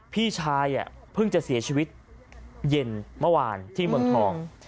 พี่ชายเพิ่งจะเสียชีวิตเย็นเมื่อวานที่เมืองทอง